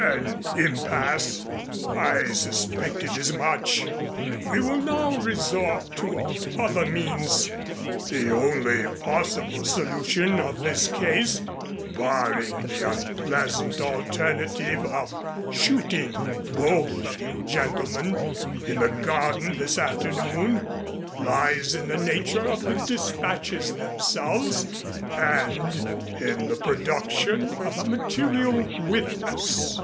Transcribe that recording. "An impasse! I suspected as much. We will now resort to other means. The only possible solution of this case, barring the unpleasant alternative of shooting both of you gentlemen in the garden this afternoon lies in the nature of the dispatches themselves and in the production of a material witness."